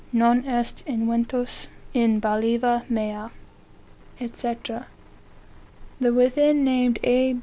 non est inventus in balliva mea, &c.; (the within named A.